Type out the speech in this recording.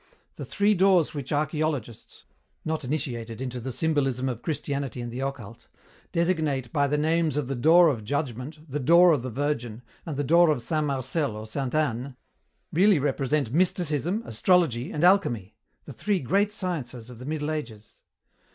The three doors which archeologists not initiated into the symbolism of Christianity and the occult designate by the names of the door of Judgment, the door of the Virgin, and the door of Saint Marcel or Saint Anne, really represent Mysticism, Astrology, and Alchemy, the three great sciences of the Middle Ages.